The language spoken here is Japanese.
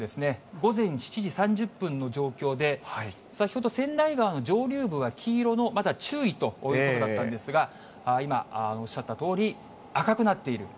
午前７時３０分の状況で、先ほど、川内川の上流は黄色のまだ注意ということだったんですが、今、おっしゃったとおり赤くなっている。